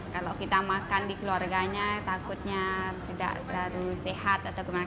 kalau kita makan di keluarganya takutnya tidak terlalu sehat atau gimana